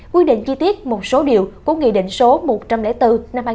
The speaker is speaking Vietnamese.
quy định chi tiết một số điều của nghị định số một trăm linh bốn năm hai nghìn một mươi